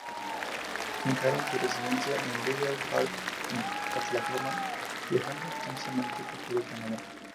Fijaron su residencia en Rideau Hall, en Ottawa, viajando extensamente por todo Canadá.